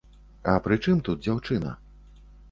А прычым тут дзяўчына?